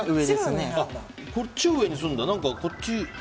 こっちを上にするんだ。